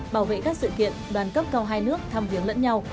bảo vệ các sự kiện đoàn cấp cao hai nước tham viếng lẫn nhau